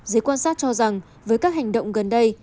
giới quan sát cho rằng với các hành động gần đây